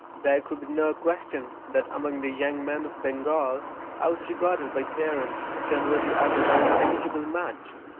There could be no question that among the young men of Bengal I was regarded by parents generally as a very eligible match.